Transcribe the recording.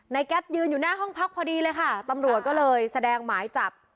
แก๊ปยืนอยู่หน้าห้องพักพอดีเลยค่ะตำรวจก็เลยแสดงหมายจับ